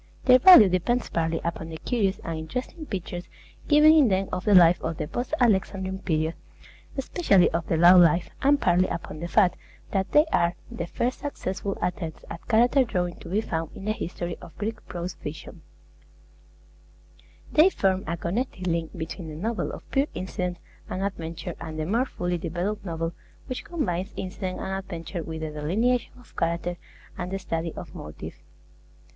Their value depends partly upon the curious and interesting pictures given in them of the life of the post Alexandrine period, especially of the low life, and partly upon the fact that they are the first successful attempts at character drawing to be found in the history of Greek prose fiction. They form a connecting link between the novel of pure incident and adventure, and the more fully developed novel which combines incident and adventure with the delineation of character and the study of motive.